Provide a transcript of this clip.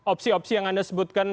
opsi opsi yang anda sebutkan